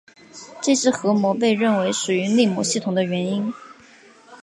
这是核膜被认为属于内膜系统的原因。